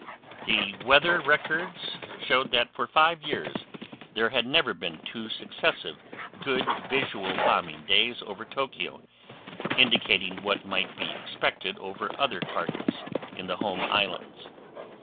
The weather records showed that for five years there had never been two successive good visual bombing days over Tokyo, indicating what might be expected over other targets in the home islands.